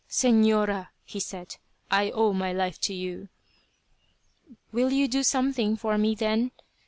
"Señora," he said, "I owe my life to you." "Will you do something for me, then?